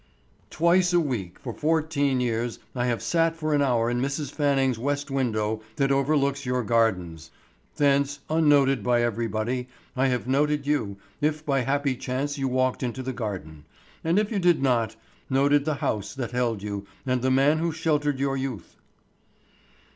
"Twice a week for fourteen years have I sat for an hour in Mrs. Fanning's west window that overlooks your gardens. Thence, unnoted by everybody, I have noted you, if by happy chance you walked in the garden; and if you did not, noted the house that held you and the man who sheltered your youth."